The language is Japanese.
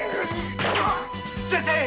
先生！